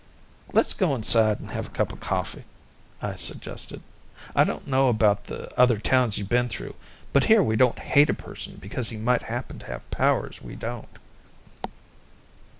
"Let's go inside and have a cup of coffee," I suggested. "I don't know about the other towns you've been through, but here we don't hate a person because he might happen to have powers we don't."